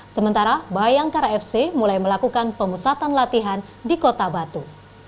sementara bayangkara fc mulai melakukan pemusatan latihan di kota batu